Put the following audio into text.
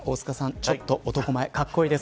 ちょっと男前かっこいいです。